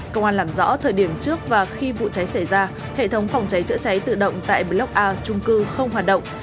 công an làm rõ thời điểm trước và khi vụ cháy xảy ra hệ thống phòng cháy chữa cháy tự động tại block a trung cư không hoạt động